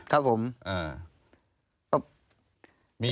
ครับผม